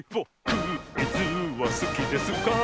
クイズはすきですか？